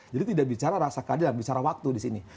tidak bicara rasa keadilan bicara waktu di sini